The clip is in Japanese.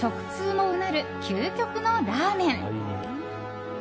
もうなる究極のラーメン。